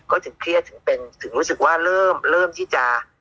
ก็ถึงเครียดถึงรู้สึกว่าเริ่มที่จะ